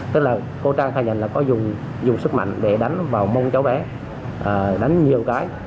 tức là cô trang khai nhận là có dùng sức mạnh để đánh vào mông cháu bé đánh nhiều cái